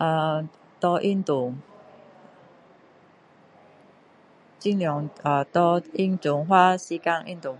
ahh 拿运动，尽量 ahh 拿运动花时间运动。